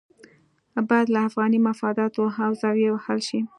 باید له افغاني مفاداتو له زاویې حل شي.